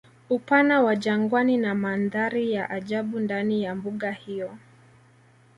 Upana wa jangwani na Mandhari ya ajabu ndani ya mbuga hiyo